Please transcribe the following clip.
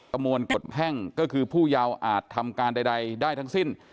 ประมวลกฎแพ่งก็คือผู้เยาว์อาจทำการใดได้ทั้งสิ้น